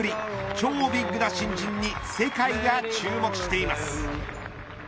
超ビックな新人に世界が注目しています。